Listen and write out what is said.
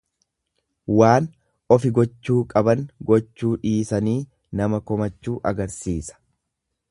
Waan ofi gochuu qaban gochuu dhiisanii nama komachuu agarsiisa.